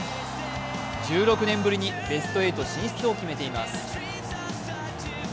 １６年ぶりにベスト８進出を決めています。